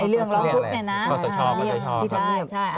เรื่องร้องทุกข์เนี่ยนะ